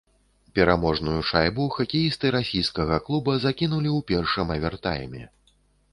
Пераможную шайбу хакеісты расійскага клуба закінулі ў першым авертайме.